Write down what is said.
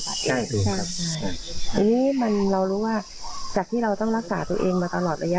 อันนี้มันเรารู้ว่าจากที่เราต้องรักษาตัวเองมาตลอดระยะ